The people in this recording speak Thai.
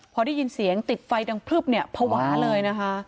พอได้ยินเสียงติดไฟดังพลึบเนี่ยภาวะเลยนะคะ